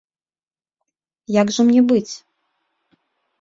Як жа мне быць?